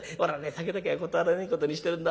酒だけは断らねえことにしてるんだ。